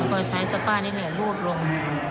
แล้วก็ใช้ซาป้านิดหน่อยลูดลง